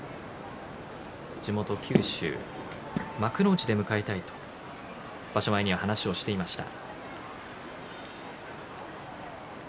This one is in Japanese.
地元九州、幕内で迎えたいと場所前に話をしていました。